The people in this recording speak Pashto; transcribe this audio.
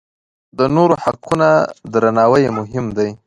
د نورو حقونه درناوی یې مهم دی.